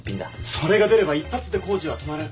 それが出れば一発で工事は止まる。